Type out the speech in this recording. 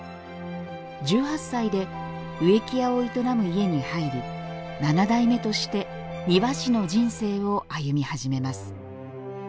１８歳で植木屋を営む家に入り７代目として庭師の人生を歩み始めます。